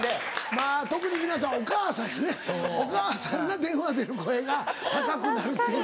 まぁ特に皆さんお母さんやねお母さんが電話出る声が高くなるっていう。